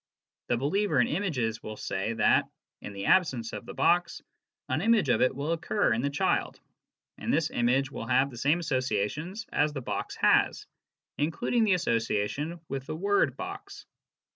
The believer in images will say that, in the absence of the box, an image of it will occur in the child, and this image will have the same associations as the box has, including the association with the word " box."